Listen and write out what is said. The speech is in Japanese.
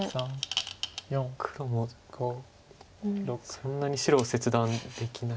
黒もそんなに白を切断できない。